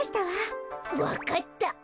わかった。